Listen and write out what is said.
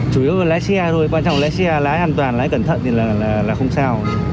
chủ yếu là lái xe thôi quan trọng lái xe lái an toàn lái cẩn thận thì là không sao